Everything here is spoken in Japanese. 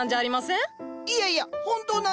いやいや本当なんです。